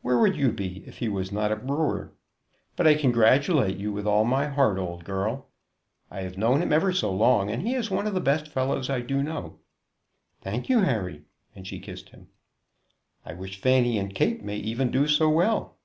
Where would you be if he was not a brewer? But I congratulate you with all my heart, old girl. I have known him ever so long, and he is one of the best fellows I do know." "Thank you, Harry," and she kissed him. "I wish Fanny and Kate may even do so well."